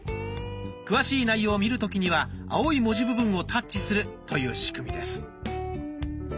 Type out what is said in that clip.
詳しい内容を見る時には青い文字部分をタッチするという仕組みです。